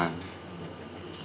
nanti akan dijawab oleh penyidiknya